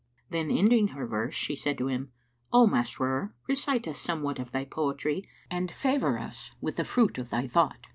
Then ending her verse, she said to him, "O Masrur, recite us somewhat of thy poetry and favour us with the fruit of thy thought."